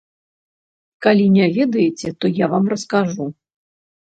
Калі не ведаеце, то я вам раскажу.